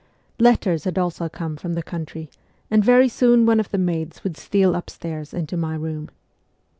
Letters had also come from the country, and very soon one of the maids would steal upstairs into my room.